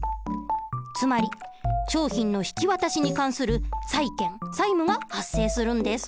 つまり商品の引き渡しに関する債権債務が発生するんです。